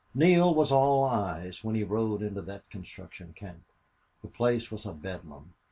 Neale was all eyes when he rode into that construction camp. The place was a bedlam.